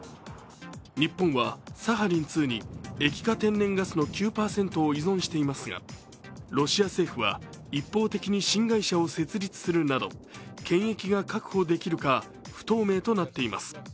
日本はサハリン２に液化天然ガスの９％を依存していますが、ロシア政府は一方的に新会社を設立するなど、権益が確保できるか不透明となっています。